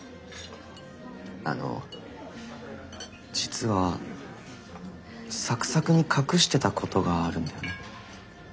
あの実はサクサクに隠してたことがあるんだよね。